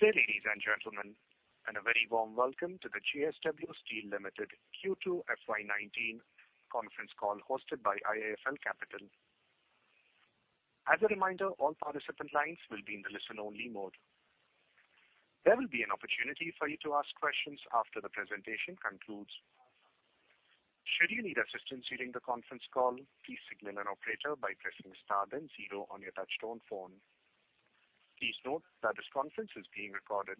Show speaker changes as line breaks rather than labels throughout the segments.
Good evening, ladies and gentlemen, and a very warm welcome to the JSW Steel Limited Q2 FY 2019 conference call hosted by IIFL Capital. As a reminder, all participant lines will be in the listen-only mode. There will be an opportunity for you to ask questions after the presentation concludes. Should you need assistance during the conference call, please signal an operator by pressing star then zero on your touchtone phone. Please note that this conference is being recorded.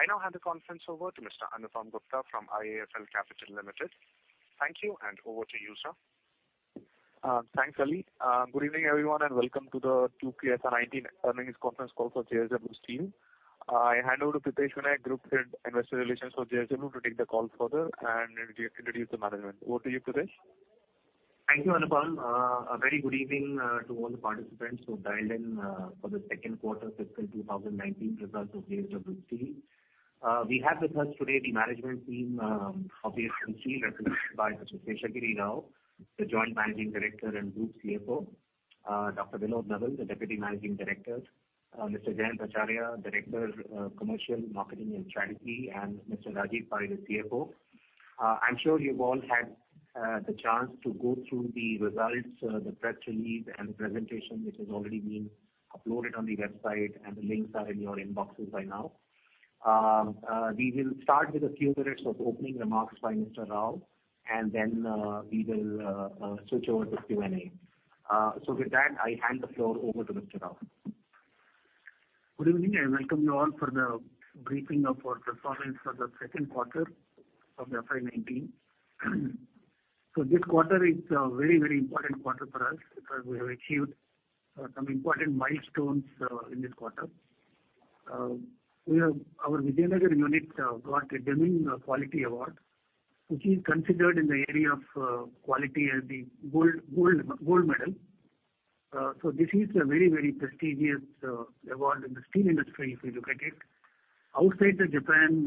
I now hand the conference over to Mr. Anupam Gupta from IIFL Capital. Thank you, and over to you, sir.
Thanks, Ali. Good evening, everyone, and welcome to the 2Q FY 2019 earnings conference call for JSW Steel. I hand over to Pritesh Vinay, Group Head Investor Relations for JSW, to take the call further and introduce the management. Over to you, Pritesh.
Thank you, Anupam. A very good evening to all the participants who have dialed in for the second quarter of fiscal 2019 results of JSW Steel. We have with us today the management team of JSW Steel, represented by Mr. Seshagiri Rao, the Joint Managing Director and Group CFO, Dr. Vinod Nowal, the Deputy Managing Director, Mr. Jayant Acharya, Director of Commercial, Marketing, and Strategy, and Mr. Rajeev Pai, the CFO. I'm sure you've all had the chance to go through the results, the press release, and the presentation, which has already been uploaded on the website, and the links are in your inboxes by now. We will start with a few minutes of opening remarks by Mr. Rao, and then we will switch over to Q&A. With that, I hand the floor over to Mr. Rao.
Good evening, and welcome you all for the briefing of our performance for the second quarter of the FY 2019. This quarter is a very, very important quarter for us because we have achieved some important milestones in this quarter. Our Vijayanagar unit got a Deming Quality Award, which is considered in the area of quality as the gold medal. This is a very, very prestigious award in the steel industry, if you look at it. Outside Japan,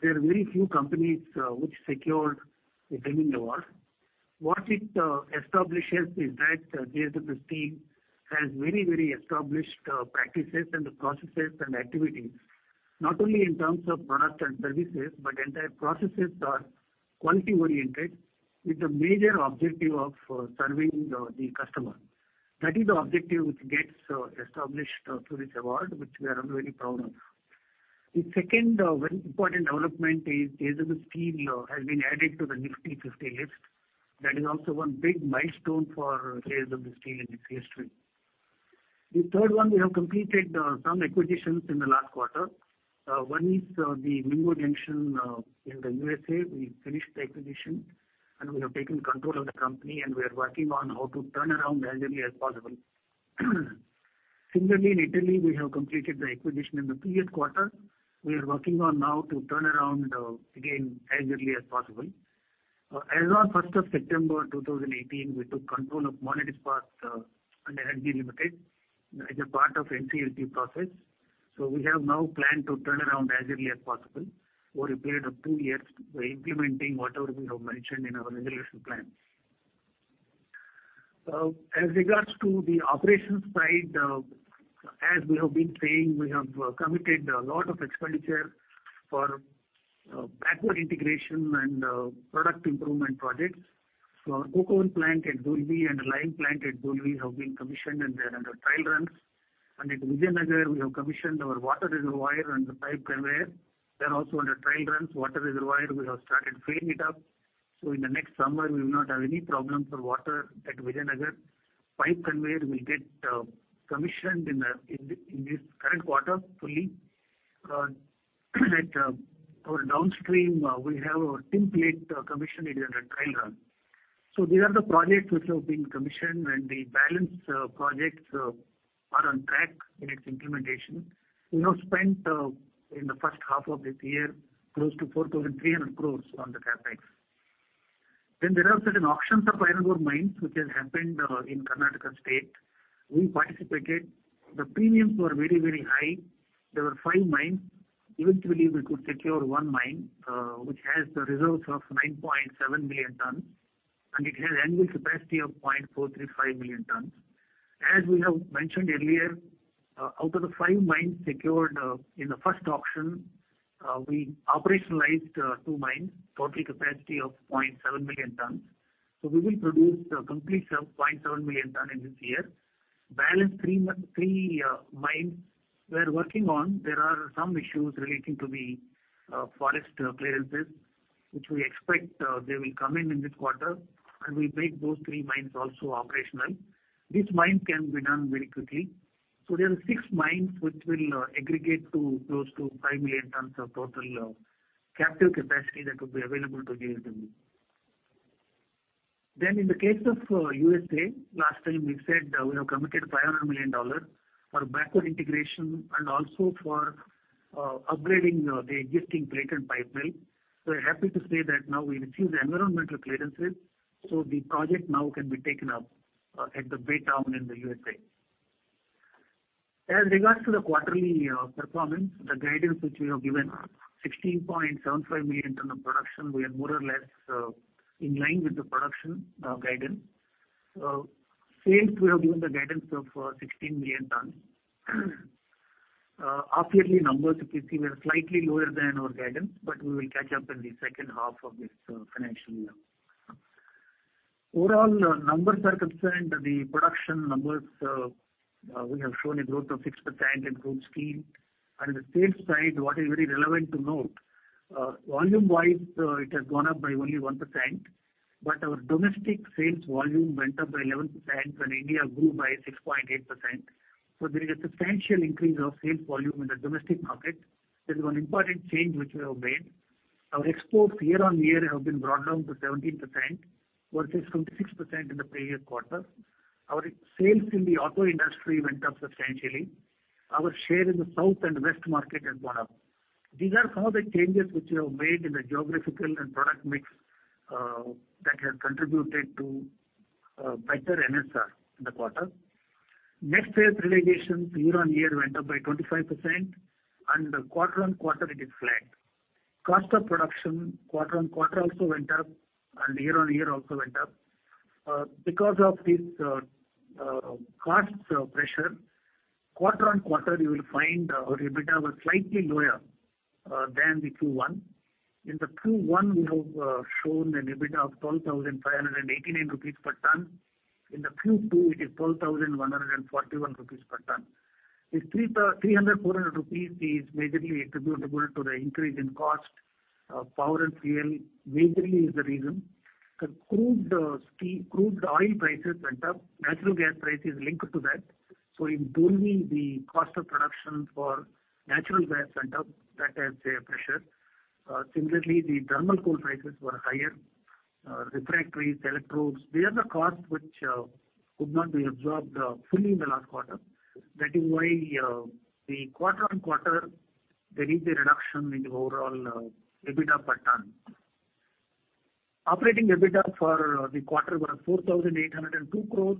there are very few companies which secured a Deming Award. What it establishes is that JSW Steel has very, very established practices and the processes and activities, not only in terms of products and services, but entire processes are quality-oriented, with the major objective of serving the customer. That is the objective which gets established through this award, which we are all very proud of. The second very important development is JSW Steel has been added to the Nifty 50 list. That is also one big milestone for JSW Steel in its history. The third one, we have completed some acquisitions in the last quarter. One is the Mingo Junction in the U.S.A.. We finished the acquisition, and we have taken control of the company, and we are working on how to turn around as early as possible. Similarly, in Italy, we have completed the acquisition in the previous quarter. We are working on now to turn around again as early as possible. As of 1st September 2018, we took control of Monnet Ispat & Energy Limited as a part of the NCLT process. We have now planned to turn around as early as possible over a period of two years, implementing whatever we have mentioned in our resolution plan. As regards to the operations side, as we have been saying, we have committed a lot of expenditure for backward integration and product improvement projects. Our Coke Oven Plant at Dolvi and Lime Plant at Dolvi have been commissioned, and they are under trial runs. At Vijayanagar, we have commissioned our water reservoir and the pipe conveyor. They are also under trial runs. Water reservoir, we have started filling it up. In the next summer, we will not have any problem for water at Vijayanagar. Pipe conveyor will get commissioned in this current quarter fully. At our downstream, we have our Tinplate commissioned; it is under trial run. These are the projects which have been commissioned, and the balance projects are on track in its implementation. We have spent in the first half of this year close to Rs 4,300 crore on the CapEx. There are certain auctions of iron ore mines, which have happened in Karnataka State. We participated. The premiums were very, very high. There were five mines. Eventually, we could secure one mine which has reserves of 9.7 million tons, and it has annual capacity of 0.435 million tons. As we have mentioned earlier, out of the five mines secured in the first auction, we operationalized two mines, total capacity of 0.7 million tons. We will produce a complete 0.7 million ton in this year. Balance three mines we are working on. There are some issues relating to the forest clearances, which we expect they will come in in this quarter, and we'll make those three mines also operational. These mines can be done very quickly. There are six mines which will aggregate to close to 5 million tons of total captive capacity that will be available to JSW. In the case of U.S.A., last time we said we have committed $500 million for backward integration and also for upgrading the existing plate and pipe mill. We're happy to say that now we received environmental clearances, so the project now can be taken up at Baytown in the U.S.A. As regards to the quarterly performance, the guidance which we have given, 16.75 million tons of production, we are more or less in line with the production guidance. Sales, we have given the guidance of 16 million tons. Off-yearly numbers, if you see, were slightly lower than our guidance, but we will catch up in the second half of this financial year. Overall numbers are concerned, the production numbers, we have shown a growth of 6% in group steel. On the sales side, what is very relevant to note, volume-wise, it has gone up by only 1%, but our domestic sales volume went up by 11%, and India grew by 6.8%. There is a substantial increase of sales volume in the domestic market. There is one important change which we have made. Our exports year-on-year have been brought down to 17% versus 26% in the previous quarter. Our sales in the auto industry went up substantially. Our share in the South and West market has gone up. These are some of the changes which we have made in the geographical and product mix that has contributed to better NSR in the quarter. Net sales realizations year-on-year went up by 25%, and quarter-on-quarter it is flat. Cost of production quarter-on-quarter also went up, and year-on-year also went up. Because of this cost pressure, quarter-on-quarter you will find our EBITDA was slightly lower than the Q1. In the Q1, we have shown an EBITDA of 12,589 rupees per ton. In the Q2, it is 12,141 rupees per ton. This 300-400 rupees is majorly attributable to the increase in cost of power and fuel. Majorly is the reason. The crude oil prices went up. Natural gas prices linked to that. In Dolvi, the cost of production for natural gas went up. That has a pressure. Similarly, the thermal coal prices were higher. Refractories, electrodes, these are the costs which could not be absorbed fully in the last quarter. That is why the quarter-on-quarter, there is a reduction in the overall EBITDA per ton. Operating EBITDA for the quarter was 4,802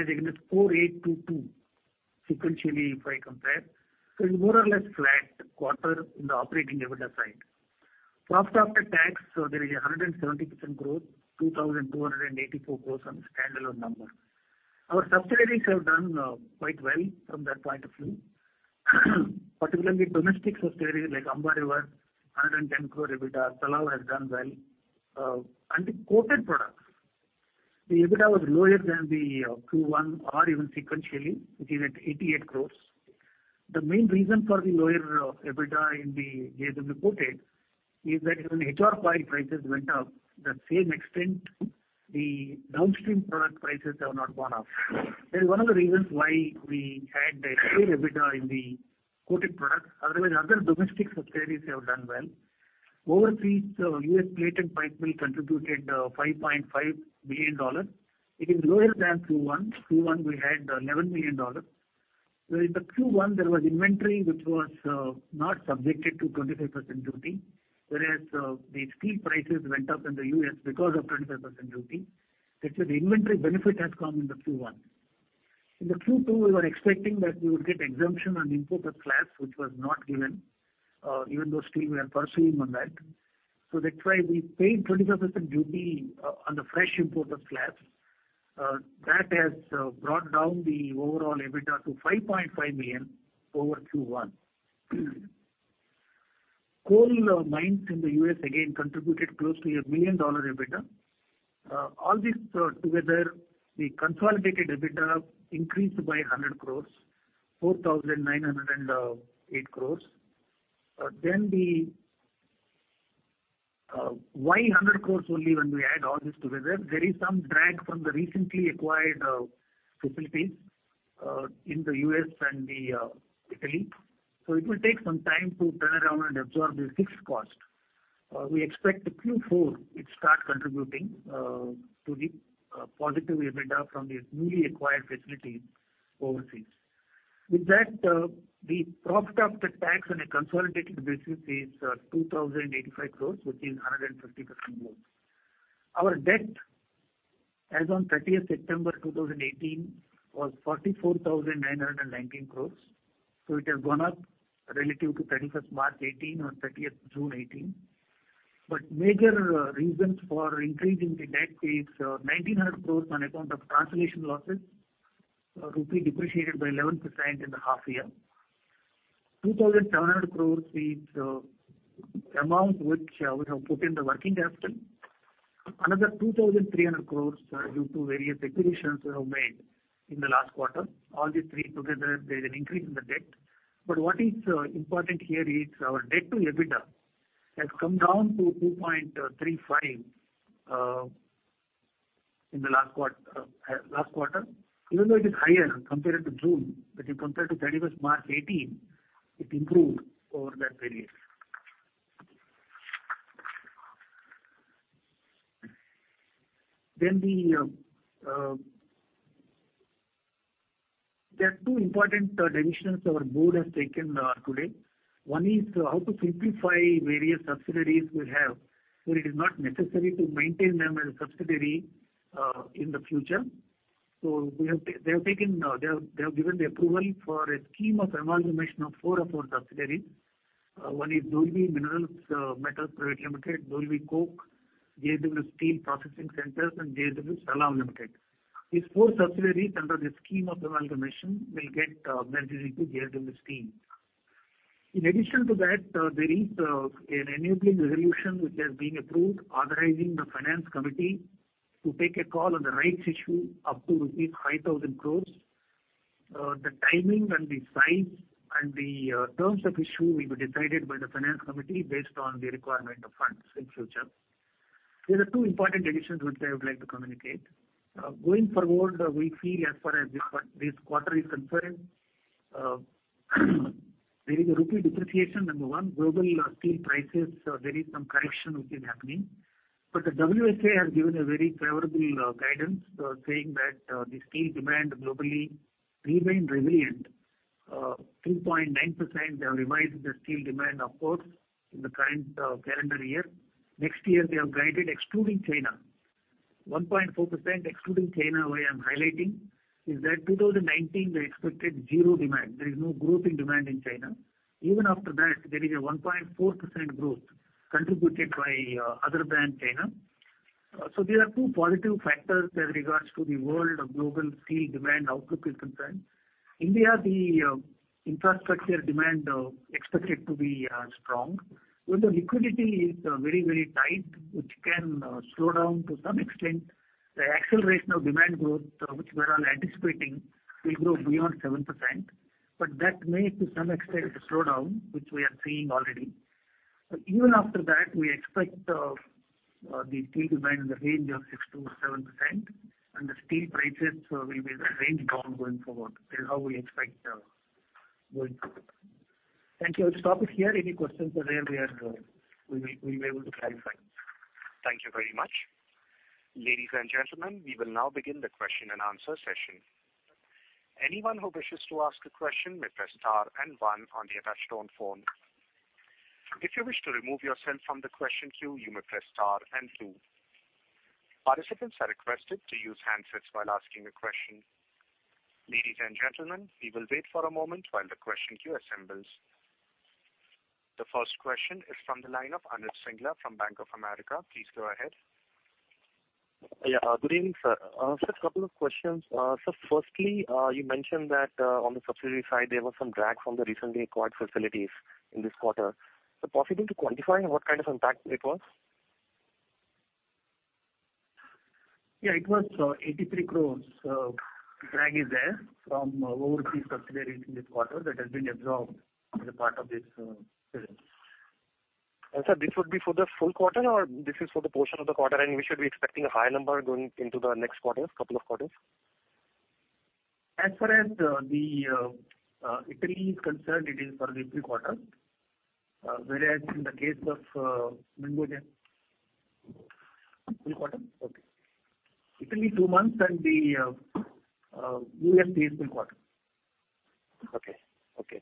as against 4,822 sequentially if I compare. It is more or less a flat quarter on the operating EBITDA side. Profit after tax, there is a 170% growth, 2,284 crore on the standalone number. Our subsidiaries have done quite well from that point of view, particularly domestic subsidiaries like Amba River; 110 crore EBITDA. Salav has done well. And the coated products, the EBITDA was lower than Q1 or even sequentially, which is at 88 crore. The main reason for the lower EBITDA in the JSW Coated is that when HR coil prices went up, the same extent, the downstream product prices have not gone up. That is one of the reasons why we had a higher EBITDA in the coated products. Otherwise, other domestic subsidiaries have done well. Overseas, U.S. Plate and Pipe Mill contributed $5.5 million. It is lower than Q1. Q1, we had $11 million. Whereas in the Q1, there was inventory which was not subjected to 25% duty, whereas the steel prices went up in the US because of 25% duty. That's why the inventory benefit has come in the Q1. In the Q2, we were expecting that we would get exemption on import of slabs, which was not given, even though still we are pursuing on that. That's why we paid 25% duty on the fresh import of slabs. That has brought down the overall EBITDA to $5.5 million over Q1. Coal mines in the US again contributed close to a million dollar EBITDA. All this together, the consolidated EBITDA increased by 100 crore, 4,908 crore. Then the why 100 crore only when we add all this together, there is some drag from the recently acquired facilities in the US and Italy. It will take some time to turn around and absorb this fixed cost. We expect the Q4 it starts contributing to the positive EBITDA from these newly acquired facilities overseas. With that, the profit after tax on a consolidated basis is 2,085 crore, which is 150% growth. Our debt as of 30th September, 2018 was 44,919 crore. It has gone up relative to 31st March 2018 or 30th June 2018. The major reasons for increase in the debt is 1,900 crore on account of translation losses, roughly depreciated by 11% in the half year. 2,700 crore is the amount which we have put in the working capital. Another 2,300 crore due to various acquisitions we have made in the last quarter. All these three together, there is an increase in the debt. What is important here is our debt to EBITDA has come down to 2.35 in the last quarter. Even though it is higher compared to June, if you compare to 31st March 2018, it improved over that period. There are two important decisions our board has taken today. One is how to simplify various subsidiaries we have, where it is not necessary to maintain them as a subsidiary in the future. They have given the approval for a scheme of amalgamation of four of our subsidiaries. One is Dolvi Minerals and Metals Pvt Ltd, Dolvi Coke, JSW Steel Processing Centers, and JSW Salav Limited. These four subsidiaries under the scheme of amalgamation will get merged into JSW Steel. In addition to that, there is an enabling resolution which has been approved, authorizing the finance committee to take a call on the rights issue up to rupees 5,000 crore. The timing and the size and the terms of issue will be decided by the finance committee based on the requirement of funds in future. These are two important decisions which I would like to communicate. Going forward, we feel as far as this quarter is concerned, there is a roughly depreciation number one. Global steel prices, there is some correction which is happening. The WSA has given a very favorable guidance, saying that the steel demand globally remained resilient. 2.9% have revised the steel demand of course in the current calendar year. Next year, they have guided excluding China. 1.4% excluding China, what I am highlighting is that 2019, they expected zero demand. There is no growth in demand in China. Even after that, there is a 1.4% growth contributed by other than China. These are two positive factors as regards to the world of global steel demand outlook is concerned. India, the infrastructure demand expected to be strong. Even though liquidity is very, very tight, which can slow down to some extent, the acceleration of demand growth, which we are all anticipating, will grow beyond 7%. That may to some extent slow down, which we are seeing already. Even after that, we expect the steel demand in the range of 6%-7%, and the steel prices will be in that range down going forward. That is how we expect going forward. Thank you. I'll stop it here. Any questions are there, we will be able to clarify.
Thank you very much. Ladies and gentlemen, we will now begin the question and answer session. Anyone who wishes to ask a question may press star and one on the attached on phone. If you wish to remove yourself from the question queue, you may press star and two. Participants are requested to use handsets while asking a question. Ladies and gentlemen, we will wait for a moment while the question queue assembles. The first question is from the line of Anirban Sinha from Bank of America. Please go ahead.
Yeah, good evening, sir. I'll ask a couple of questions. Firstly, you mentioned that on the subsidiary side, there was some drag from the recently acquired facilities in this quarter. Is it possible to quantify what kind of impact it was?
Yeah, it was 83 crores. Drag is there from over the subsidiaries in this quarter that has been absorbed as a part of this session.
Sir, this would be for the full quarter, or this is for the portion of the quarter, and we should be expecting a higher number going into the next quarter, a couple of quarters?
As far as Italy is concerned, it is for the full quarter, whereas in the case of Mingo Junction, full quarter? Okay. Italy two months and the US three full quarter.
Okay. Okay.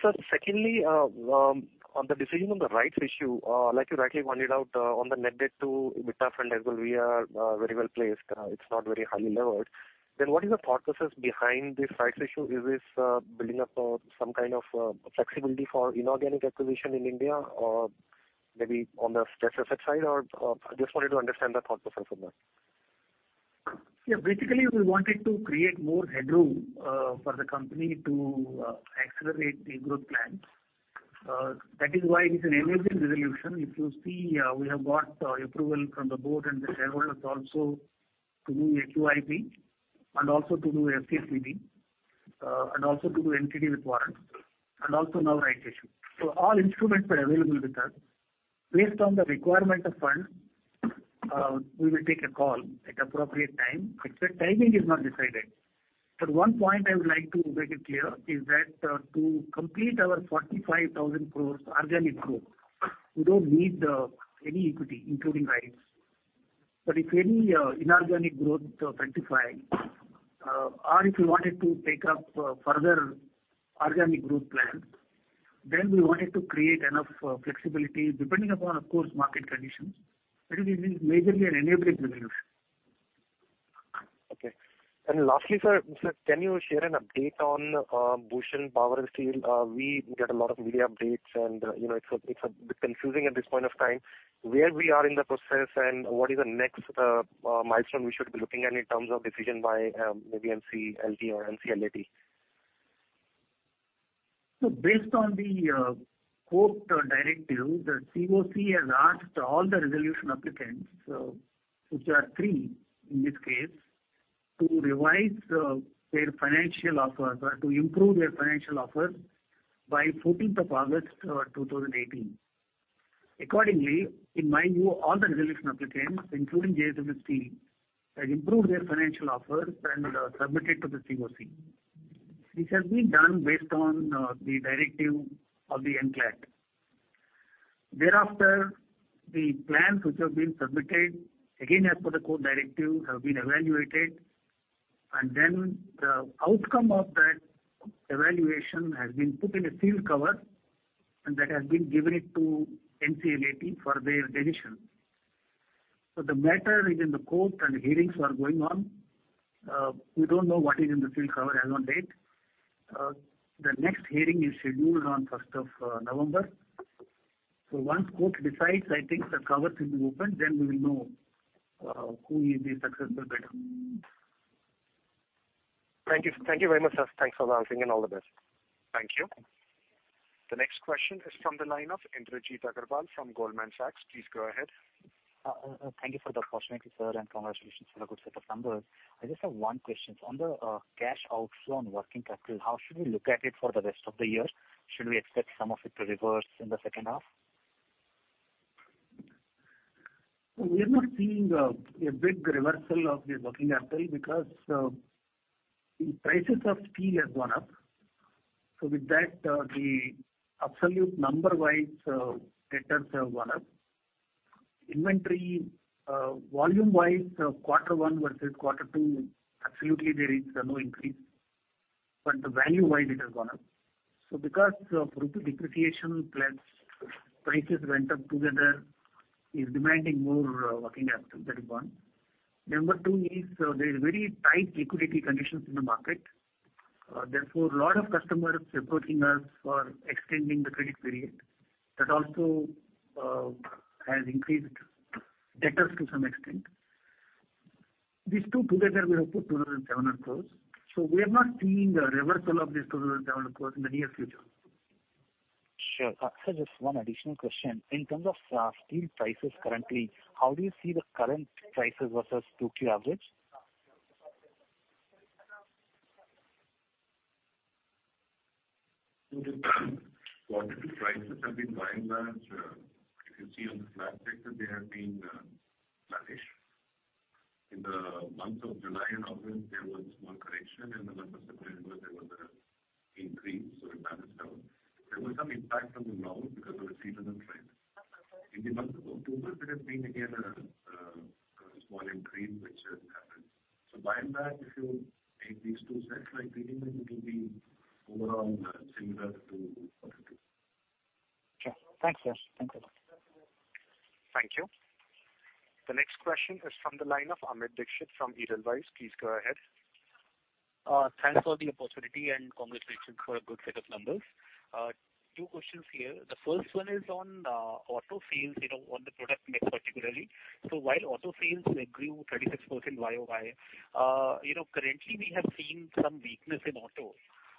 Sir, secondly, on the decision on the rights issue, like you rightly pointed out, on the net debt to EBITDA front as well, we are very well placed. It's not very highly levered. What is the thought process behind this rights issue? Is this building up some kind of flexibility for inorganic acquisition in India or maybe on the stress asset side? I just wanted to understand the thought process on that.
Yeah, basically, we wanted to create more headroom for the company to accelerate the growth plan. That is why it is an enabling resolution. If you see, we have got approval from the board and the shareholders also to do a QIP and also to do FCCB and also to do MCD with warrant and also now rights issue. All instruments are available with us. Based on the requirement of funds, we will take a call at appropriate time. Exact timing is not decided. One point I would like to make it clear is that to complete our 45,000 crore organic growth, we do not need any equity, including rights. If any inorganic growth, 25, or if we wanted to take up further organic growth plans, then we wanted to create enough flexibility depending upon, of course, market conditions. That is, it is majorly an enabling resolution.
Okay. Lastly, sir, can you share an update on Bhushan Power and Steel? We get a lot of media updates, and it's a bit confusing at this point of time. Where we are in the process and what is the next milestone we should be looking at in terms of decision by maybe NCLT or NCLAT?
Based on the court directive, the CoC has asked all the resolution applicants, which are three in this case, to revise their financial offers or to improve their financial offers by 14th August 2018. Accordingly, in my view, all the resolution applicants, including JSW Steel, have improved their financial offers and submitted to the CoC. This has been done based on the directive of the NCLAT. Thereafter, the plans which have been submitted, again, as per the court directive, have been evaluated, and then the outcome of that evaluation has been put in a sealed cover, and that has been given to NCLAT for their decision. The matter is in the court, and hearings are going on. We do not know what is in the sealed cover as of date. The next hearing is scheduled on 1st November. Once court decides, I think the cover can be opened, then we will know who is the successful bidder.
Thank you. Thank you very much, sir. Thanks for announcing and all the best.
Thank you. The next question is from the line of Indrajit Agarwal from Goldman Sachs. Please go ahead.
Thank you for the opportunity, sir, and congratulations for a good set of numbers. I just have one question. On the cash outflow on working capital, how should we look at it for the rest of the year? Should we expect some of it to reverse in the second half?
We are not seeing a big reversal of the working capital because the prices of steel have gone up. With that, the absolute number-wise data has gone up. Inventory volume-wise, quarter one versus quarter two, absolutely there is no increase. The value-wise, it has gone up. Because of roughly depreciation plus prices went up together, it is demanding more working capital. That is one. Number two is there are very tight liquidity conditions in the market. Therefore, a lot of customers are approaching us for extending the credit period. That also has increased debtors to some extent. These two together, we have put 2,700 crore. We are not seeing a reversal of this 2,700 crore in the near future.
Sure. Just one additional question. In terms of steel prices currently, how do you see the current prices versus two-tier average?
The quantity prices have been by and large. If you see on the flat sector, they have been flattish. In the months of July and August, there was a small correction. In the month of September and August, there was an increase. It balanced out. There was some impact on the ground because of the seasonal trend. In the month of October, there has been again a small increase, which has happened. Buying back, if you take these two sets, I am thinking that it will be overall similar to quarter two.
Sure. Thanks, sir. Thank you.
Thank you. The next question is from the line of Amit Dixit from Edelweiss. Please go ahead.
Thanks for the opportunity and congratulations for a good set of numbers. Two questions here. The first one is on auto sales, on the product mix particularly. While auto sales grew 36% year-over-year, currently we have seen some weakness in auto.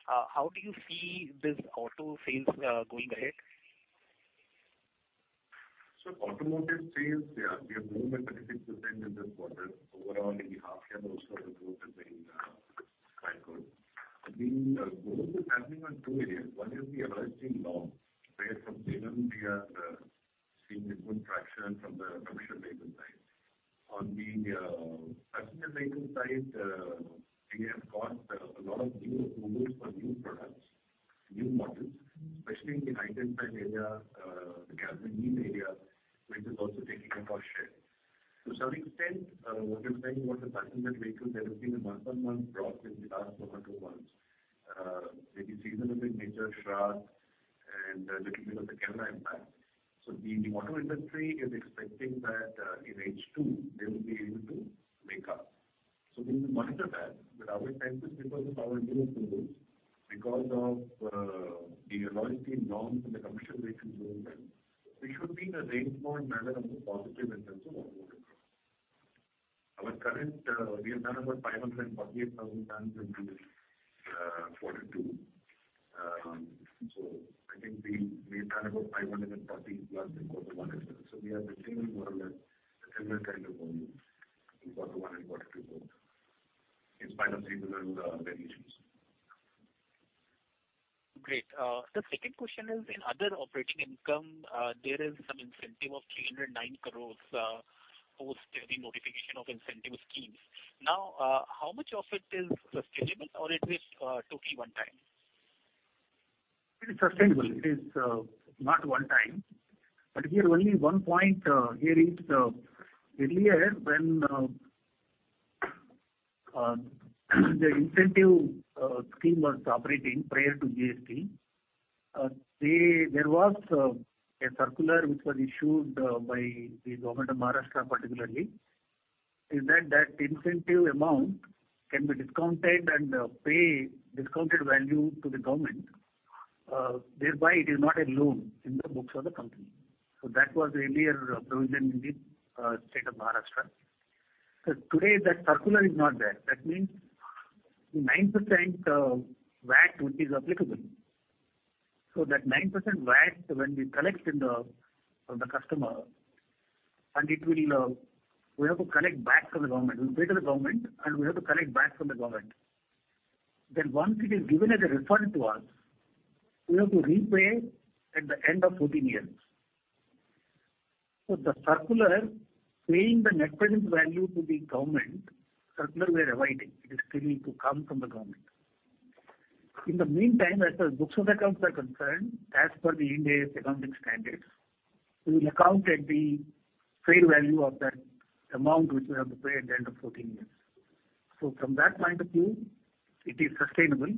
How do you see this auto sales going ahead?
Automotive sales, they have moved at 36% in this quarter. Overall, in the half year, also the growth has been quite good. The growth is happening on two areas. One is the alloy steel long, where from them, we are seeing a good traction from the commercial vehicle side. On the passenger vehicle side, we have got a lot of new approvals for new products, new models, especially in the high-tensile area, the galvanile area, which is also taking up our share. To some extent, what you're saying about the passenger vehicles, there has been a month-on-month drop in the last one or two months. Maybe seasonality, and a little bit of the Kerala impact. The auto industry is expecting that in H2, they will be able to make up. We will monitor that. Our chances, because of our new approvals, because of the alloy steel norms and the commercial vehicles movement, we should be in a range more in the matter of the positive in terms of automotive growth. Our current, we have done about 548,000 tons in quarter two. I think we have done about 540 plus in quarter one as well. We are maintaining more or less the similar kind of volume in quarter one and quarter two both, in spite of seasonal variations.
Great. The second question is, in other operating income, there is some incentive of 309 crore post the notification of incentive schemes. Now, how much of it is sustainable, or is it totally one-time? It is sustainable. It is not one-time.
We are only one point. Here is earlier when the incentive scheme was operating prior to GST, there was a circular which was issued by the Government of Maharashtra particularly, in that that incentive amount can be discounted and pay discounted value to the government. Thereby, it is not a loan in the books of the company. That was earlier provision in the state of Maharashtra. Today, that circular is not there. That means the 9% VAT, which is applicable, so that 9% VAT, when we collect from the customer, and we have to collect back from the government, we pay to the government, and we have to collect back from the government. Once it is given as a refund to us, we have to repay at the end of 14 years. The circular, paying the net present value to the government, circular we are avoiding. It is still to come from the government. In the meantime, as the books of accounts are concerned, as per the India's accounting standards, we will account at the fair value of that amount which we have to pay at the end of 14 years. From that point of view, it is sustainable.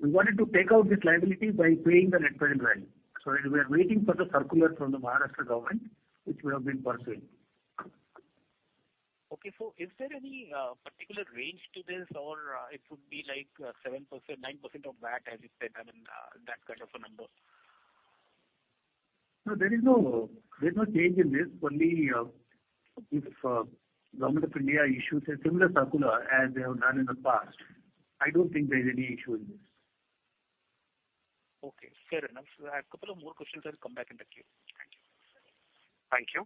We wanted to take out this liability by paying the net present value. We are waiting for the circular from the Maharashtra government, which we have been pursuing.
Okay. Is there any particular range to this, or it would be like 7%-9% of VAT, as you said, I mean, that kind of a number?
No, there is no change in this. Only if the Government of India issues a similar circular as they have done in the past, I do not think there is any issue in this.
Okay. Fair enough. I have a couple of more questions that will come back in the queue. Thank you.
Thank you.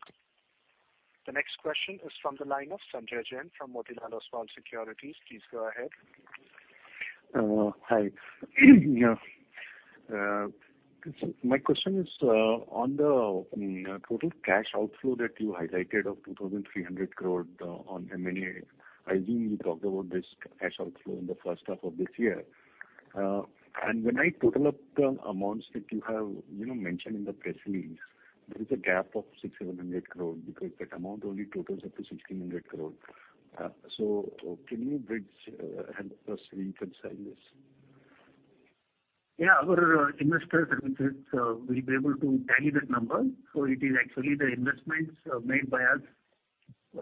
The next question is from the line of Sanjay Jain from Motilal Oswal Securities. Please go ahead.
Hi. My question is, on the total cash outflow that you highlighted of 2,300 crores on M&A, I assume you talked about this cash outflow in the first half of this year. When I total up the amounts that you have mentioned in the press release, there is a gap of 6,700 crores because that amount only totals up to 1,600 crores. Can you help us reconcile this?
Yeah. Our investors, I would say, will be able to tally that number. It is actually the investments made by us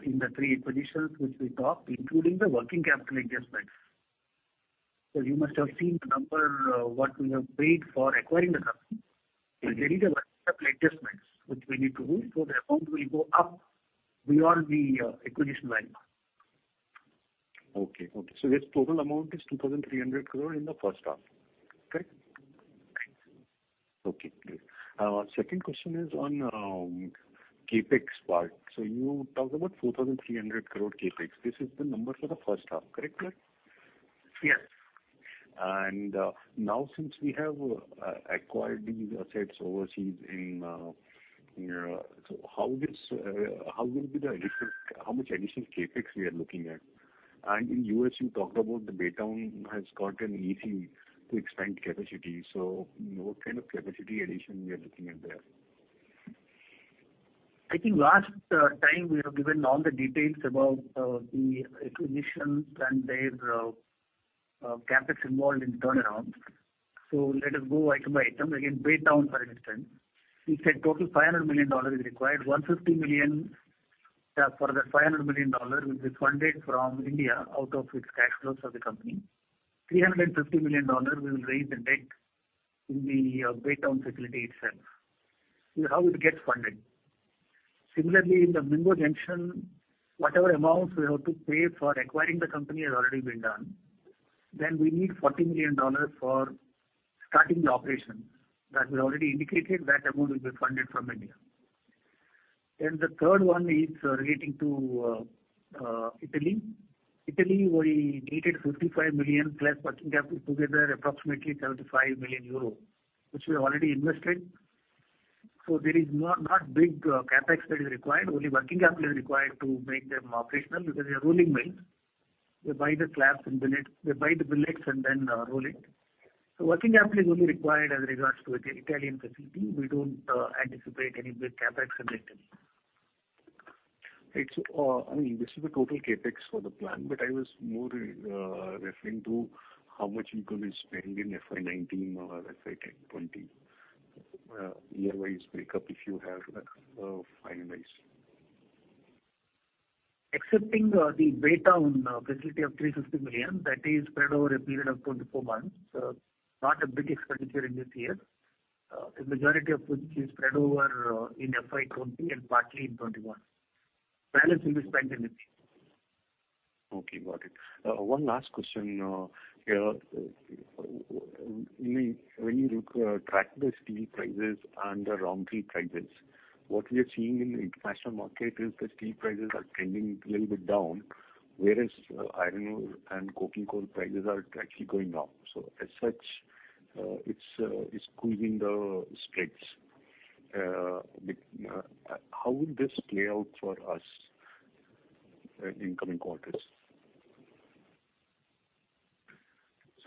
in the three acquisitions which we talked, including the working capital adjustments. You must have seen the number, what we have paid for acquiring the company. There is a working capital adjustment which we need to do, so the amount will go up beyond the acquisition value.
Okay. Okay. The total amount is 2,300 crores in the first half. Correct?
Correct.
Okay. Great. Second question is on CapEx part. You talked about 4,300 crores CapEx. This is the number for the first half. Correct, sir?
Yes.
Now, since we have acquired these assets overseas, how much additional CapEx are we looking at? In the US, you talked about Baytown has got an EC to expand capacity. What kind of capacity addition are we looking at there?
I think last time, we have given all the details about the acquisitions and their CapEx involved in the turnaround. Let us go item by item. Again, Baytown, for instance, we said total $500 million is required. $150 million of the $500 million will be funded from India out of its cash flows for the company. $350 million we will raise in debt in the Baytown facility itself. How it gets funded. Similarly, in the Mingo Junction, whatever amounts we have to pay for acquiring the company has already been done. We need $40 million for starting the operation. That we already indicated that amount will be funded from India. The third one is relating to Italy. Italy, we needed 55 million plus working capital together, approximately 75 million euro, which we already invested. There is not big CapEx that is required. Only working capital is required to make them operational because they are rolling mills. They buy the slabs and then they buy the billets and then roll it. Working capital is only required as regards to the Italian facility. We do not anticipate any big CapEx in Italy.
I mean, this is the total CapEx for the plan, but I was more referring to how much you could have spent in FY 2019 or FY 2020, year-wise breakup if you have finalized.
Excepting the Baytown facility of $350 million, that is spread over a period of 24 months. Not a big expenditure in this year, the majority of which is spread over in FY 2020 and partly in 2021. Balance will be spent in Italy.
Okay. Got it. One last question here. When you look at track the steel prices and the raw material prices, what we are seeing in the international market is the steel prices are trending a little bit down, whereas iron ore and coking coal prices are actually going up. As such, it is squeezing the spreads. How will this play out for us in coming quarters?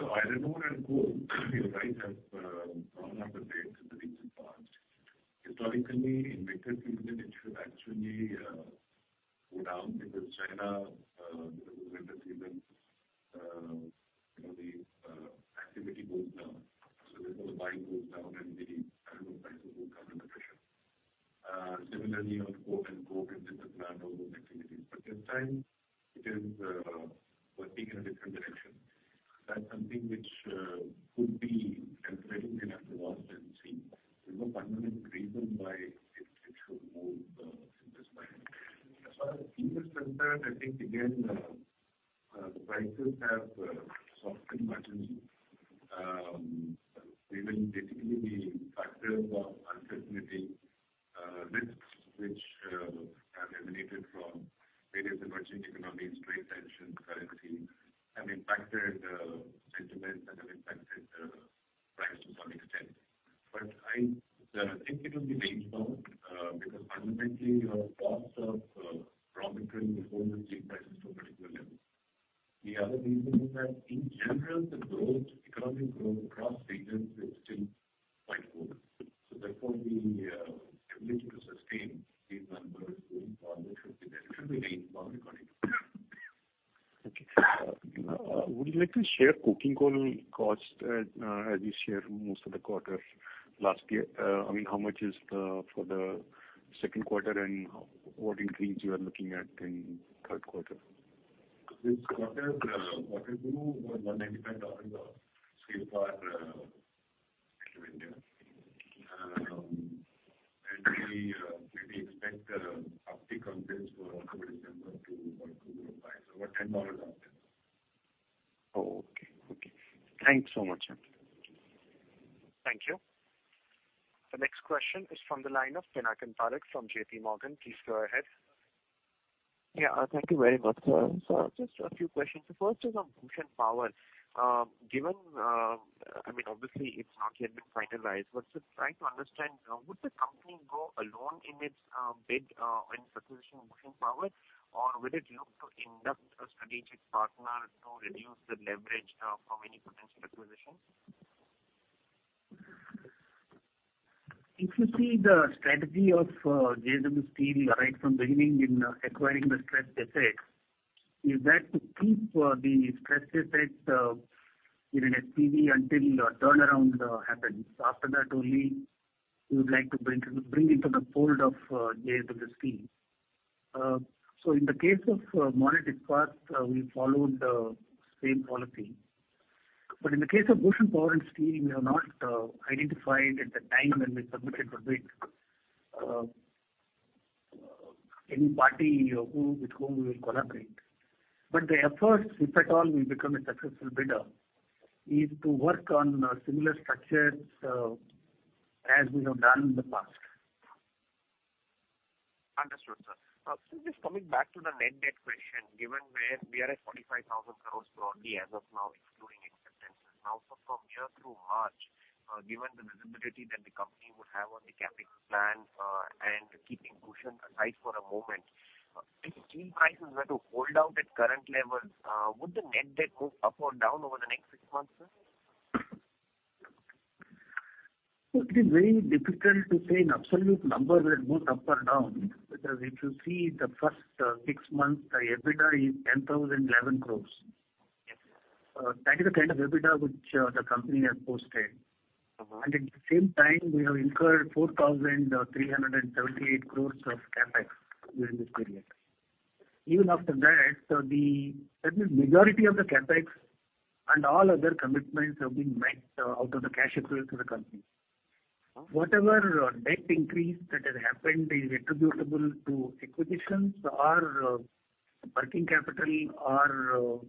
Iron ore and coke, you are right, have gone up a bit in the recent past. Historically, inventory demand actually went down because China, because of the winter season, the activity goes down. Therefore, the buying goes down and the iron ore prices will come under pressure. Similarly, on coal and coke and sinter plant or those activities. This time, it is working in a different direction. That's something which could be calculated in afterwards and see. There's no fundamental reason why it should move in this way. As far as steel is concerned, I think, again, the prices have softened marginally. There will basically be factors of uncertainty, risks which have emanated from various emerging economies, trade tensions, currencies, have impacted sentiments and have impacted price to some extent. I think it will be range down because fundamentally, the cost of raw material will hold the steel prices to a particular level. The other reason is that in general, the growth, economic growth across regions, is still quite good. Therefore, the ability to sustain these numbers going forward should be range down according to me.
Okay. Would you like to share coking coal cost as you share most of the quarter last year? I mean, how much is for the second quarter and what increase you are looking at in third quarter?
This quarter, water grew over $195 for CFR India. And we maybe expect uptick on this for October to December to about $205, over $10 up there.
Okay. Okay. Thanks so much, sir.
Thank you. The next question is from the line of Pinakin Parekh from JPMorgan. Please go ahead.
Yeah. Thank you very much, sir. Just a few questions. The first is on Bhushan Power. Given, I mean, obviously, it's not yet been finalized, but trying to understand, would the company go alone in its bid on acquisition of Bhushan Power, or will it look to induct a strategic partner to reduce the leverage from any potential acquisition?
If you see the strategy of JSW Steel right from the beginning in acquiring the stressed assets, is that to keep the stressed assets in an SPV until turnaround happens. After that, only we would like to bring into the fold of JSW Steel. In the case of Monnet Ispat, we followed the same policy. In the case of Bhushan Power and Steel, we have not identified at the time when we submitted the bid, any party with whom we will collaborate. The effort, if at all we become a successful bidder, is to work on similar structures as we have done in the past.
Understood, sir. Just coming back to the net debt question, given where we are at 45,000 crore broadly as of now, excluding expectations, now from year through March, given the visibility that the company would have on the capital plan and keeping Bhushan Power and Steel aside for a moment, if steel prices were to hold out at current levels, would the net debt move up or down over the next six months, sir?
It is very difficult to say an absolute number will move up or down because if you see the first six months, the EBITDA is 10,011 crore. That is the kind of EBITDA which the company has posted. At the same time, we have incurred 4,378 crore of CapEx during this period. Even after that, the majority of the CapEx and all other commitments have been met out of the cash accrual for the company. Whatever debt increase that has happened is attributable to acquisitions or working capital or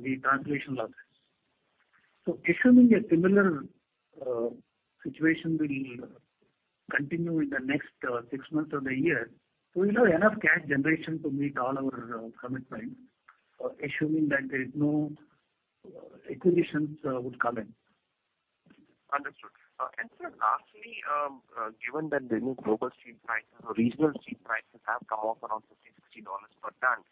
the translation losses. Assuming a similar situation will continue in the next six months of the year, we will have enough cash generation to meet all our commitments, assuming that there is no acquisitions would come in.
Understood. Sir, lastly, given that the new global steel prices or regional steel prices have come off around $50-$60 per ton,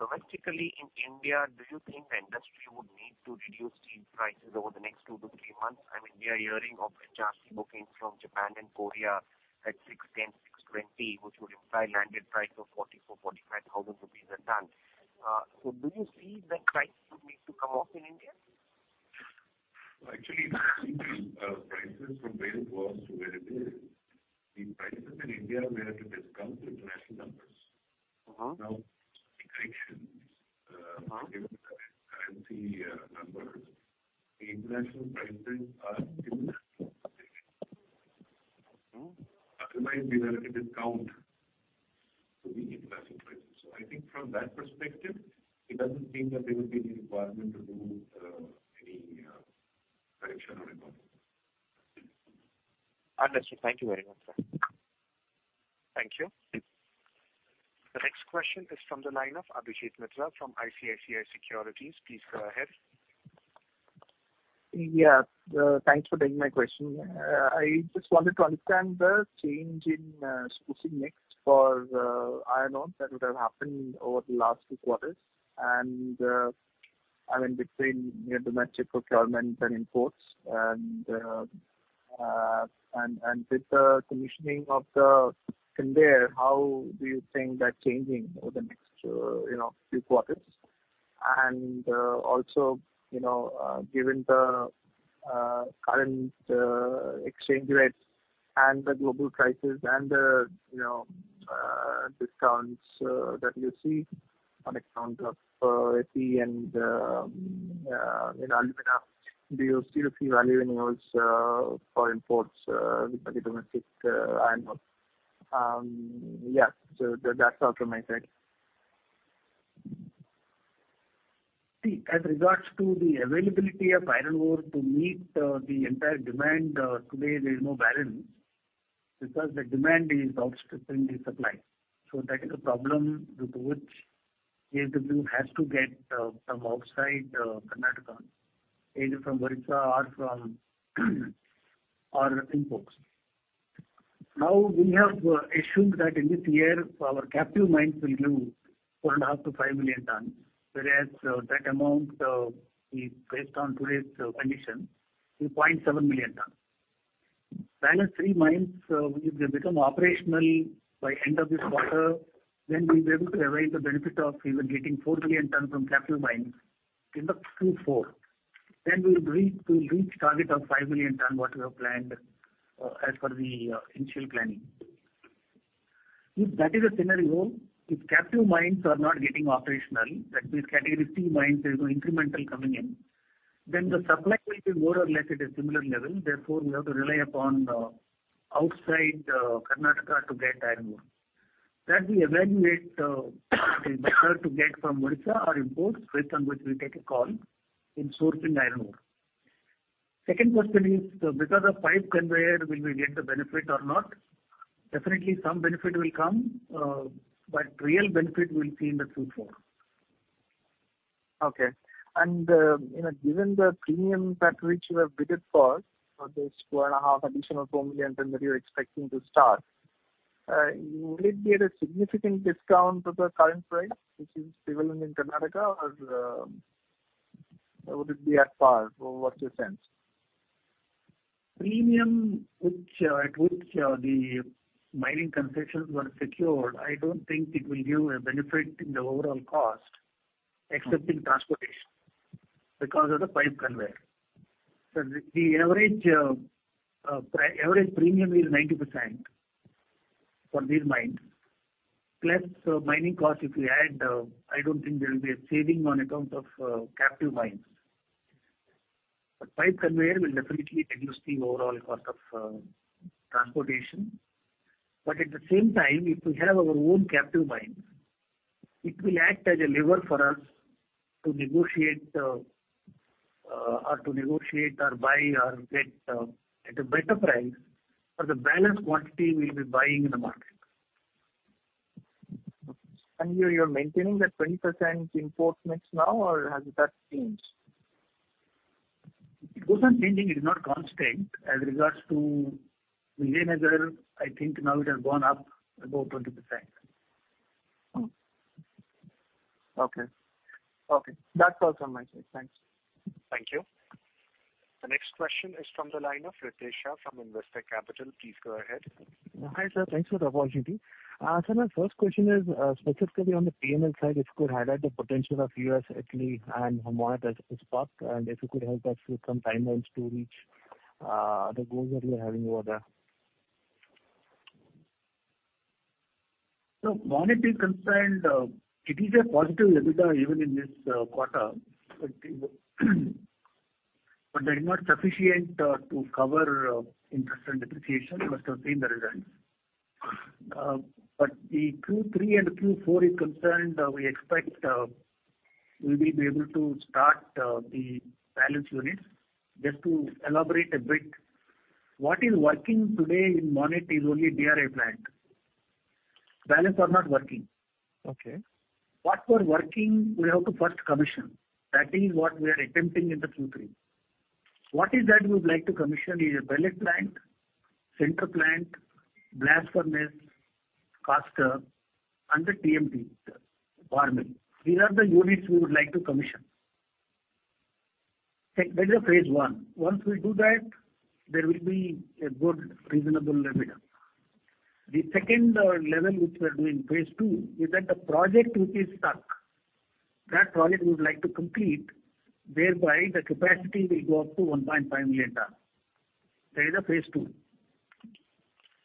domestically in India, do you think the industry would need to reduce steel prices over the next two to three months? I mean, we are hearing of HRC bookings from Japan and Korea at 610, 620, which would imply landed price of 44,000-45,000 rupees a ton. Do you see that price would need to come off in India?
Actually, the prices from where it was to where it is, the prices in India were to discount the international numbers. Now, the correction, given that it's currency numbers, the international prices are similar to what they were. Otherwise, we were to discount the international prices. I think from that perspective, it doesn't seem that there would be any requirement to do any correction on it.
Understood. Thank you very much, sir.
Thank you. The next question is from the line of Abhijit Mitra from ICICI Securities. Please go ahead.
Yeah. Thanks for taking my question. I just wanted to understand the change in supposed next for iron ore that would have happened over the last two quarters. I'm in between domestic procurement and imports. With the commissioning of the conveyor, how do you think that's changing over the next few quarters? Also, given the current exchange rates and the global prices and the discounts that you see on account of steel and alumina, do you see the value in yours for imports with the domestic iron ore? Yes. That is all from my side.
As regards to the availability of iron ore to meet the entire demand, today there is no barrier because the demand is outstripping the supply. That is a problem due to which JSW has to get some outside Karnataka, either from Odisha or from imports. Now, we have assumed that in this year, our captive mines will do 4.5-5 million ton, whereas that amount, based on today's condition, is 0.7 million ton. Balance three mines will become operational by end of this quarter. We will be able to avail the benefit of even getting 4 million ton from captive mines in Q4. We will reach the target of 5 million ton, what we have planned as per the initial planning. If that is a scenario, if captive mines are not getting operational, that means category C mines are incremental coming in, then the supply will be more or less at a similar level. Therefore, we have to rely upon outside Karnataka to get iron ore. We evaluate the method to get from Odisha or imports, based on which we take a call in sourcing iron ore. Second question is, because of pipe conveyor, will we get the benefit or not? Definitely, some benefit will come, but real benefit we'll see in Q4.
Okay. Given the premium that you have bidded for, this 4.5 additional 4 million ton that you're expecting to start, will it be at a significant discount of the current price, which is prevailing in Karnataka, or would it be at par? What's your sense?
Premium at which the mining concessions were secured, I don't think it will give a benefit in the overall cost, except in transportation because of the pipe conveyor. The average premium is 90% for these mines. Plus, mining cost, if we add, I don't think there will be a saving on account of captive mines. Pipe conveyor will definitely reduce the overall cost of transportation. At the same time, if we have our own captive mines, it will act as a lever for us to negotiate or buy or get at a better price for the balance quantity we will be buying in the market.
You are maintaining that 20% import mix now, or has that changed?
Those are changing. It is not constant. As regards to Vijayanagar, I think now it has gone up about 20%.
Okay. Okay. That is all from my side. Thanks.
Thank you. The next question is from the line of Ritesh Shah from Investec. Please go ahead.
Hi, sir. Thanks for the opportunity. Sir, my first question is specifically on the P&L side, if you could highlight the potential of US, Italy, and Monnet Ispat, and if you could help us with some timelines to reach the goals that we are having over there.
as Monnet is concerned, it is a positive EBITDA even in this quarter, but that is not sufficient to cover interest and depreciation. You must have seen the results. As far as Q3 and Q4 are concerned, we expect we will be able to start the balance units. Just to elaborate a bit, what is working today in Monnet is only the DRI plant. The balance are not working. What were working, we have to first commission. That is what we are attempting in Q3. What is it that we would like to commission is a pellet plant, sinter plant, blast furnace, caster, and the TMT bar mill. These are the units we would like to commission. That is phase I. Once we do that, there will be a good reasonable EBITDA. The second level which we are doing, phase II, is that the project which is stuck, that project we would like to complete, thereby the capacity will go up to 1.5 million ton. That is phase II.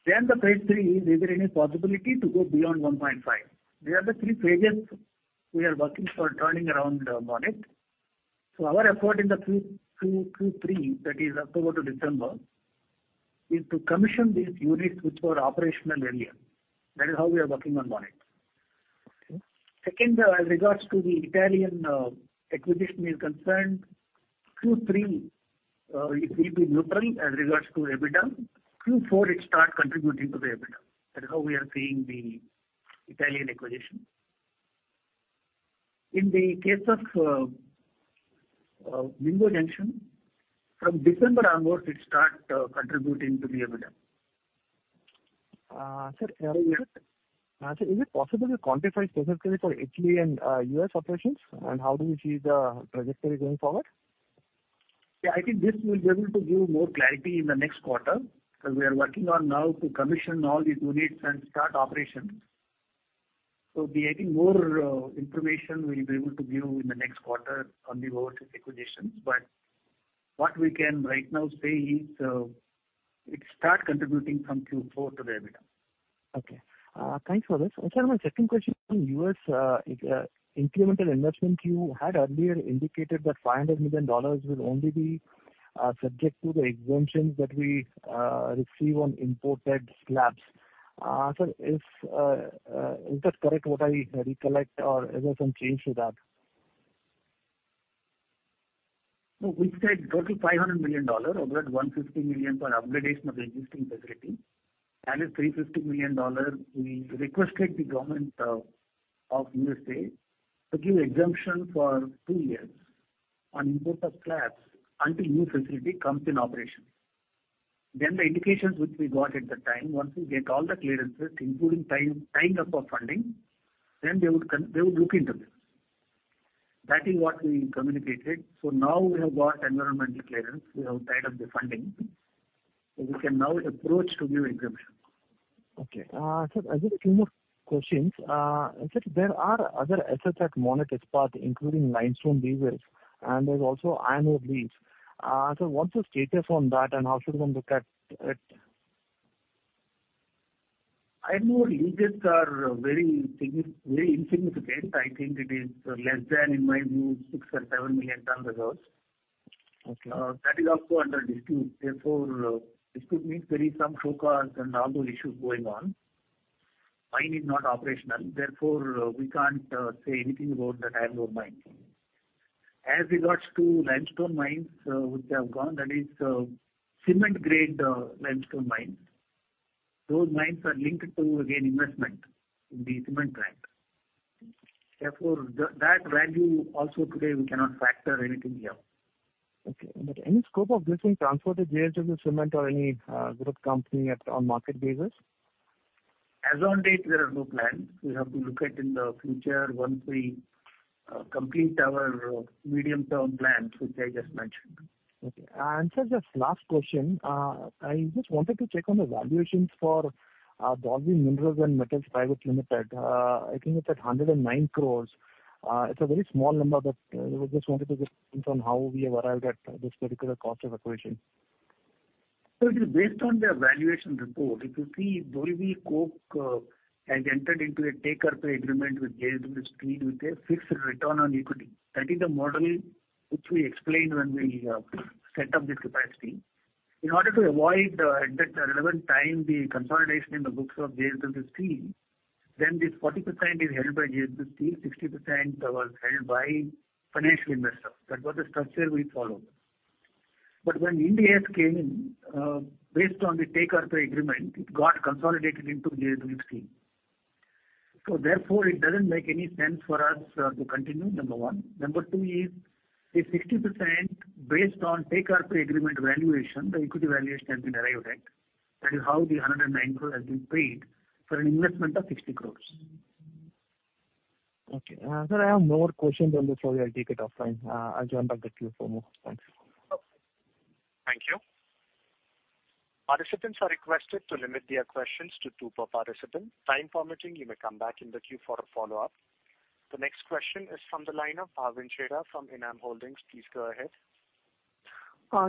Then the phase III, is there any possibility to go beyond 1.5 million ton? These are the three phases we are working for turning around Monnet. So our effort in the Q3, that is October to December, is to commission these units which were operational area. That is how we are working on Monnet. Second, as regards to the Italian acquisition is concerned, Q3, it will be neutral as regards to EBITDA. Q4, it starts contributing to the EBITDA. That is how we are seeing the Italian acquisition. In the case of Mingo Junction, from December onwards, it starts contributing to the EBITDA.
Sir, is it possible to quantify specifically for Italy and U.S. operations, and how do we see the trajectory going forward?
Yeah. I think this will be able to give more clarity in the next quarter because we are working on now to commission all these units and start operations. I think more information we'll be able to give in the next quarter on the overseas acquisitions. What we can right now say is it starts contributing from Q4 to the EBITDA.
Okay. Thanks for this. Sir, my second question on U.S. incremental investment, you had earlier indicated that $500 million will only be subject to the exemptions that we receive on imported slabs. Sir, is that correct what I recollect, or is there some change to that?
No, we said total $500 million of that, $150 million for upgradation of the existing facility. That is $350 million. We requested the government of the U.S. to give exemption for two years on import of slabs until new facility comes in operation. The indications which we got at the time, once we get all the clearances, including tying up our funding, they would look into this. That is what we communicated. We have now got environmental clearance. We have tied up the funding. We can now approach to give exemption.
Okay. Sir, I just have a few more questions. Sir, there are other assets at Monnet Ispat, including limestone leases, and there's also iron ore leases. Sir, what's the status on that, and how should one look at it?
Iron ore leases are very insignificant. I think it is less than, in my view, 6 million or 7 million ton reserves. That is also under dispute. Therefore, dispute means there are some showcase and all those issues going on. Mine is not operational. Therefore, we can't say anything about that iron ore mine. As regards to limestone mines, which have gone, that is cement-grade limestone mines. Those mines are linked to, again, investment in the cement plant. Therefore, that value also today, we cannot factor anything here.
Okay. Any scope of this being transferred to JSW Cement or any group company on market basis?
As of date, there are no plans. We have to look at in the future once we complete our medium-term plans, which I just mentioned.
Okay. Sir, just last question. I just wanted to check on the valuations for Dolvi Minerals & Metals Pvt Ltd I think it's at 109 crore. It's a very small number, but we just wanted to get a sense on how we have arrived at this particular cost of acquisition.
Sir, based on the valuation report, if you see, Dolvi Coke has entered into a take-up agreement with JSW Steel with a fixed return on equity. That is the model which we explained when we set up this capacity. In order to avoid at that relevant time the consolidation in the books of JSW Steel, then this 40% is held by JSW Steel, 60% was held by financial investors. That was the structure we followed. When Ind-AS came in, based on the take-up agreement, it got consolidated into JSW Steel. Therefore, it doesn't make any sense for us to continue, number one. Number two is the 60% based on take-up agreement valuation, the equity valuation has been arrived at. That is how the 109 crore has been paid for an investment of 60 crore.
Okay. Sir, I have no more questions on this, so we'll take it offline. I'll join back the Q4 more. Thanks.
Thank you. Participants are requested to limit their questions to two per participant. Time permitting, you may come back in the Q4 follow-up. The next question is from the line of Bhavin Chheda from ENAM Holdings. Please go ahead.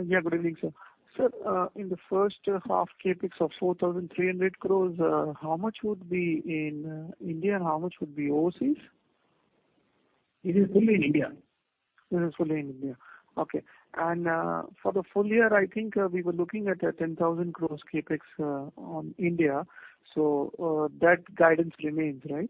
Yeah. Good evening, sir. Sir, in the first half CapEx of 4,300 crore, how much would be in India and how much would be overseas?
It is fully in India.
This is fully in India. Okay. And for the full year, I think we were looking at 10,000 crore CapEx on India. So that guidance remains, right?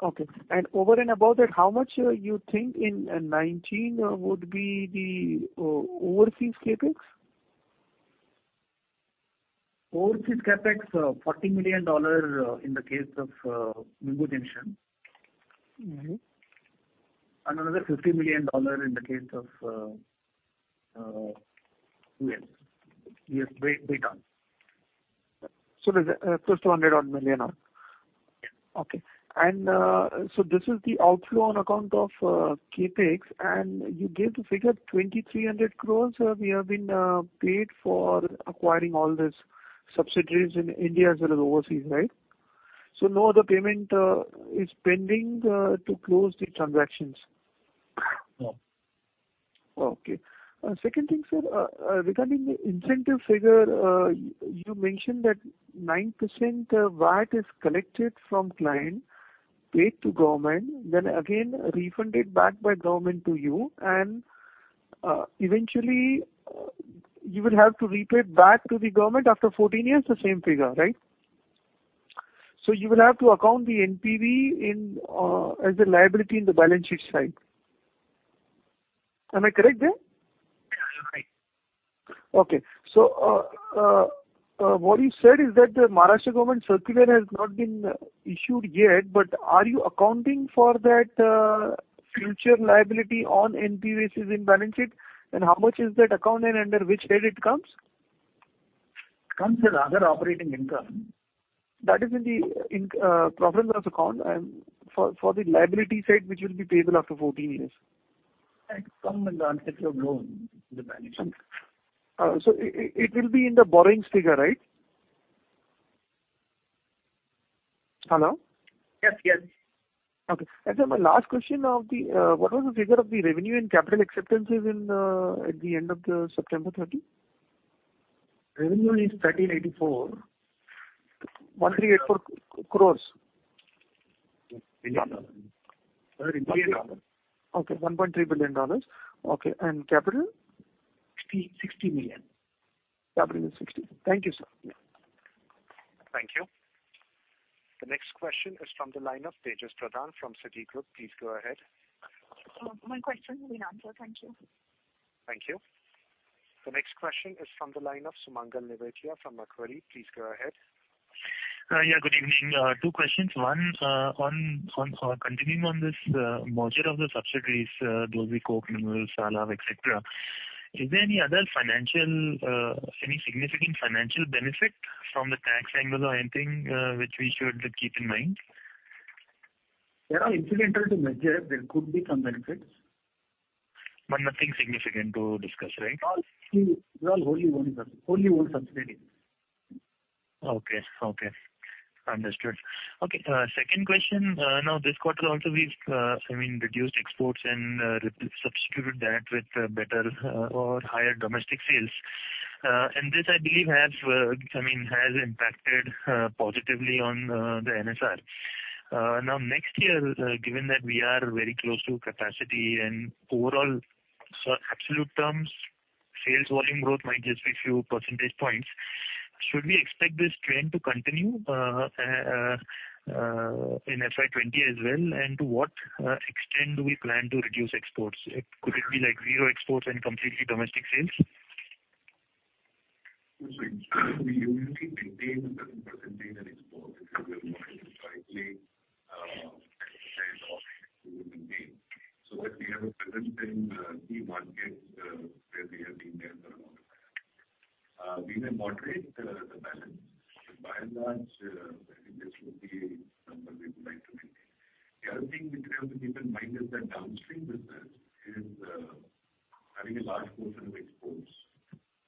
Yes.
Okay. And over and above that, how much you think in 2019 would be the overseas CapEx?
Overseas CapEx, $40 million in the case of Mingo Junction and another $50 million in the case of U.S., U.S. Baytown.
There is a INR 200 million on.
Yeah.
Okay. This is the outflow on account of CapEx, and you gave the figure 2,300 crore we have been paid for acquiring all these subsidiaries in India as well as overseas, right? No other payment is pending to close the transactions?
No.
Okay. Second thing, sir, regarding the incentive figure, you mentioned that 9% VAT is collected from client, paid to government, then again refunded back by government to you, and eventually, you will have to repay back to the government after 14 years, the same figure, right? You will have to account the NPV as a liability in the balance sheet side. Am I correct there?
Yeah. You're right.
Okay. What you said is that the Maharashtra government circular has not been issued yet, but are you accounting for that future liability on NPVs in balance sheet, and how much is that account and under which head it comes?
It comes as other operating income.
That is in the profit and loss account for the liability side which will be payable after 14 years.
It comes under unsecured loan in the balance sheet.
It will be in the borrowings figure, right? Hello?
Yes. Yes.
Okay. Sir, my last question, what was the figure of the revenue and capital acceptances at the end of September 30?
Revenue is 1,384.
INR 1,384 crores?
$1.3 billion.
Okay. Okay. And capital?
60 million.
Capital is INR 60. Thank you, sir.
Thank you. The next question is from the line of Tejas Pradhan from Citigroup. Please go ahead.
One question has been answered. Thank you.
Thank you. The next question is from the line of Sumangal Nevatia from Macquarie. Please go ahead.
Yeah. Good evening. Two questions. One, continuing on this merger of the subsidiaries, Dolvi Coke, Minerals, Salav, etc., is there any other financial, any significant financial benefit from the tax angle or anything which we should keep in mind?
There are incidental to merger. There could be some benefits.
But nothing significant to discuss, right?
We are only one subsidiary.
Okay. Okay. Understood. Okay. Second question. Now, this quarter also, we've, I mean, reduced exports and substituted that with better or higher domestic sales. And this, I believe, has impacted positively on the NSR. Now, next year, given that we are very close to capacity and overall, so absolute terms, sales volume growth might just be a few percentage points. Should we expect this trend to continue in FY 2020 as well, and to what extent do we plan to reduce exports? Could it be like zero exports and completely domestic sales?
We usually maintain a certain percentage of exports if we are not going to try to play at the head of. We will maintain, so that we have a presence in key markets where we have been there for a long time. We may moderate the balance, but by and large, I think this will be a number we would like to maintain. The other thing which we have to keep in mind is that downstream business is having a large portion of exports,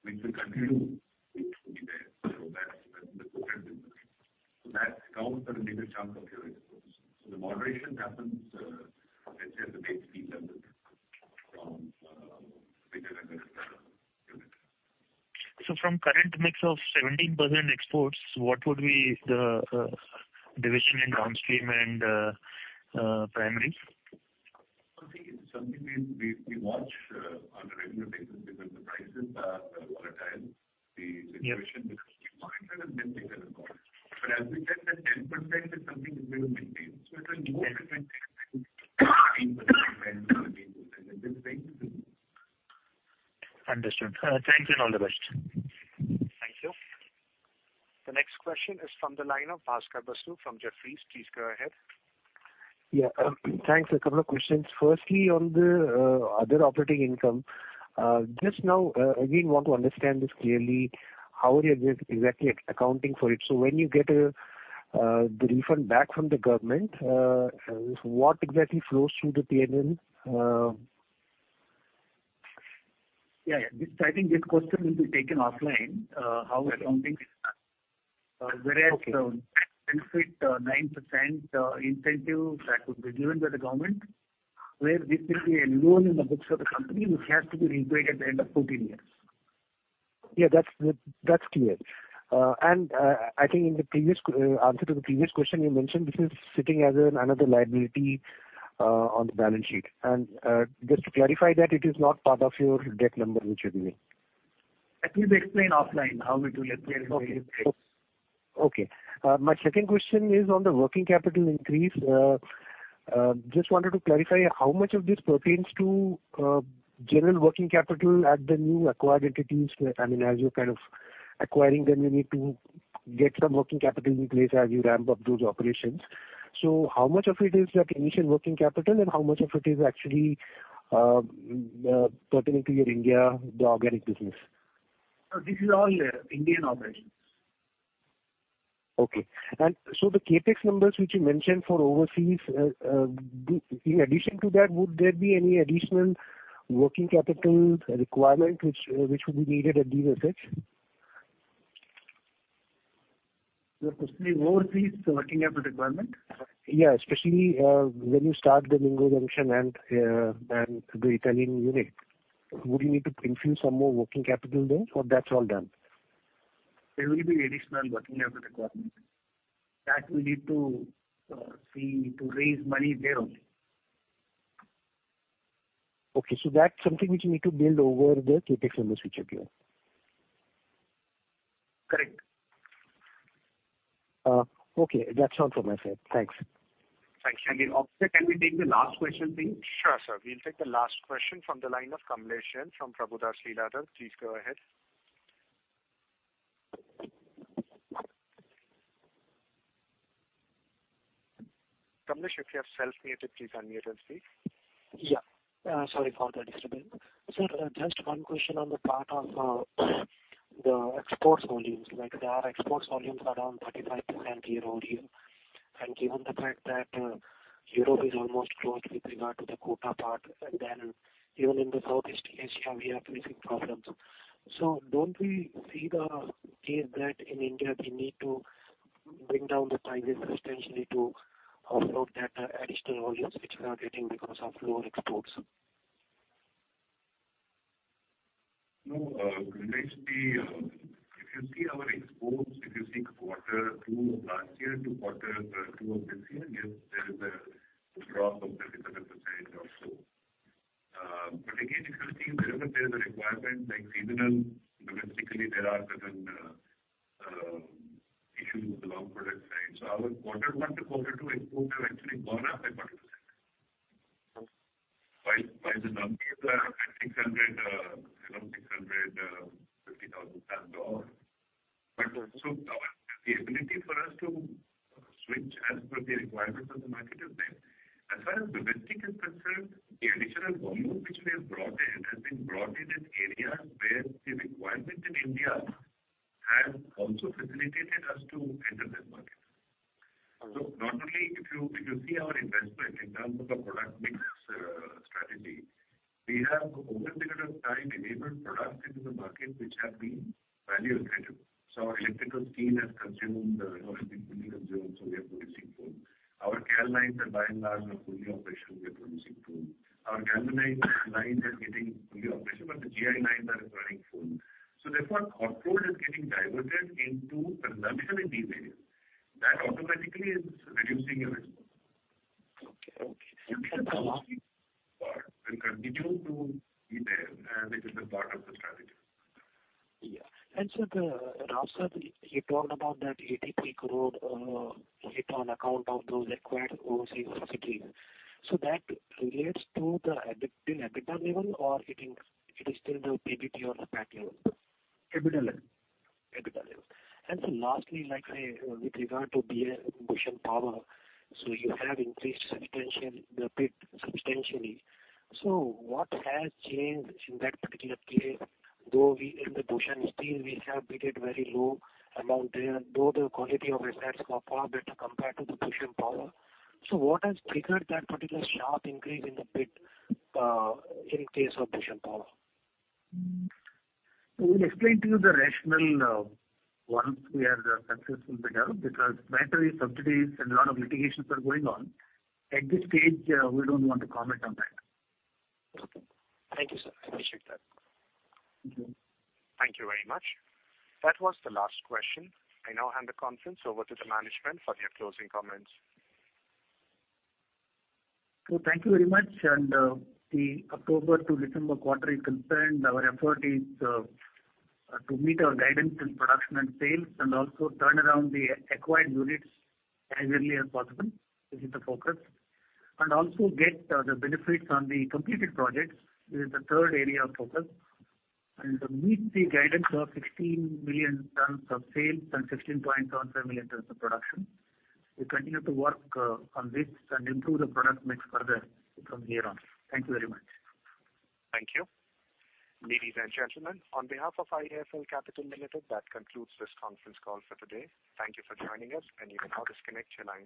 which we continue to be there. That is the corporate business, so that accounts for a major chunk of your exports. The moderation happens, let's say, at the base fee level from whichever unit.
From current mix of 17% exports, what would be the division in downstream and primaries?
Something we watch on a regular basis because the prices are volatile. The situation becomes more interesting as we go on. As we said, that 10% is something which we will maintain. It will move between 10%, 15%, 17%, and this trend continues.
Understood. Thank you and all the best.
Thank you. The next question is from the line of Bhaskar Basu from Jefferies. Please go ahead.
Yeah. Thanks. A couple of questions. Firstly, on the other operating income, just now, again, want to understand this clearly, how are you exactly accounting for it? When you get the refund back from the government, what exactly flows through the P&L?
I think this question will be taken offline. How we're accounting is whereas the benefit 9% incentive that would be given by the government, where this will be a loan in the books of the company which has to be repaid at the end of 14 years.
Yeah. That's clear. I think in the previous answer to the previous question, you mentioned this is sitting as another liability on the balance sheet. Just to clarify that, it is not part of your debt number which you're giving?
I can explain offline how we do it.
Okay. My second question is on the working capital increase. Just wanted to clarify how much of this pertains to general working capital at the new acquired entities. I mean, as you're kind of acquiring them, you need to get some working capital in place as you ramp up those operations. How much of it is that initial working capital, and how much of it is actually pertaining to your India, the organic business?
This is all Indian operations.
Okay. The CapEx numbers which you mentioned for overseas, in addition to that, would there be any additional working capital requirement which would be needed at these effects?
Overseas working capital requirement?
Yeah. Especially when you start the Mingo Junction and the Italian unit. Would you need to infuse some more working capital there, or that's all done?
There will be additional working capital requirement. That we need to see to raise money there only.
Okay. That is something which you need to build over the CapEx numbers which are clear.
Correct.
Okay. That is all from my side. Thanks.
Thanks. Can we take the last question, please?
Sure, sir. We'll take the last question from the line of Kamlesh Jain from Prabhudas Lilladher. Please go ahead. Kamlesh, if you have self-muted, please unmute and speak.
Yeah. Sorry for the disturbance. Sir, just one question on the part of the export volumes. The export volumes are down 35% year over year. Given the fact that Europe is almost closed with regard to the quota part, even in Southeast Asia, we are facing problems. Do not we see the case that in India, we need to bring down the prices substantially to offload that additional volumes which we are getting because of lower exports?
No. If you see our exports, if you see quarter two of last year to quarter two of this year, there is a drop of 37% or so. If you see wherever there is a requirement like seasonal, domestically, there are certain issues with the long product side. Our quarter one to quarter two exports have actually gone up by 40%. The numbers are at around 650,000 tons or so. The ability for us to switch as per the requirements of the market is there. As far as domestic is concerned, the additional volume which we have brought in has been brought in in areas where the requirement in India has also facilitated us to enter that market. If you see our investment in terms of a product mix strategy, we have over a period of time enabled products into the market which have been value-attractive. Our electrical steel has consumed, all consumed, so we are producing full. Our CAL lines are by and large fully operational. We are producing full. Our galvanized lines are getting fully operational, but the GI lines are running full. Therefore, our crude is getting diverted into consumption in these areas. That automatically is reducing your exports.
Okay. Okay. The last part will continue to be there, which is the part of the strategy. Yeah. Sir, Rao, you talked about that 83 crore hit on account of those acquired overseas subsidiaries. That relates to the capital level or is it still the PBT or the PAT level?
EBITDA level. EBITDA level.
Lastly, like I say, with regard to Bhushan Power, you have increased substantially. What has changed in that particular case? Though in the Bhushan Steel, we have bid it very low amount there, though the quality of assets were far better compared to the Bhushan Power. What has triggered that particular sharp increase in the bid in case of Bhushan Power?
I will explain to you the rationale once where the concerns will be there because matter is subjudice and a lot of litigations are going on. At this stage, we do not want to comment on that.
Thank you, sir. I appreciate that.
Thank you.
Thank you very much. That was the last question. I now hand the conference over to the management for their closing comments.
Thank you very much. As the October to December quarter is concerned, our effort is to meet our guidance in production and sales and also turn around the acquired units as early as possible. This is the focus. Also get the benefits on the completed projects. This is the third area of focus. To meet the guidance of 16 million tons of sales and 15.7 million tons of production, we continue to work on this and improve the product mix further from here on. Thank you very much.
Thank you. Ladies and gentlemen, on behalf of IIFL Capital, that concludes this conference call for today. Thank you for joining us, and you can now disconnect your line.